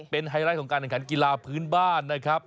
เป็นไฮไลท์ของการแข่งขันกีฬาพื้นบ้านนะครับ